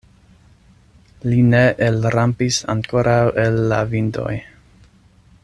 Li ne elrampis ankoraŭ el la vindoj.